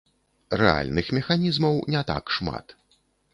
Рэальных механізмаў не так шмат.